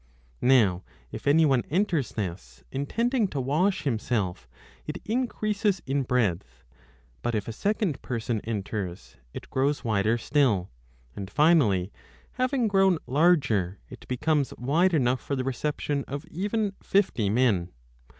841 Now if any one enters this, intending to wash himself, it increases in breadth ; but if a second person 4 enters, it grows wider still ; and finally, having grown larger, it becomes wide enough for the reception of even fifty men.